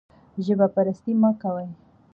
ژب پرستي مه کوئ